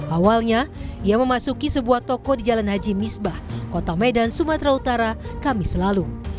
awalnya ia memasuki sebuah toko di jalan haji misbah kota medan sumatera utara kamis lalu